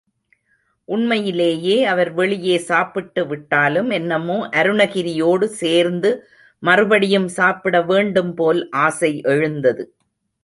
உண்மையிலேயே அவர் வெளியே சாப்பிட்டு விட்டாலும், என்னமோ அருணகிரியோடு சேர்ந்து மறுபடியும் சாப்பிட வேண்டும் போல் ஆசை எழுந்தது.